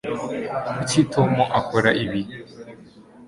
kuki tom akora ibi